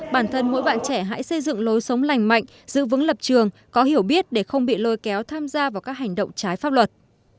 bản thân mỗi bạn trẻ hãy xây dựng lối sống lành mạnh giữ vững lập trường có hiểu biết để không bị lôi kéo tham gia vào các hành động trái pháp luật